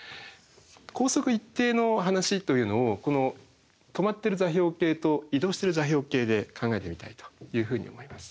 光速一定の話というのをこの止まってる座標系と移動してる座標系で考えてみたいというふうに思います。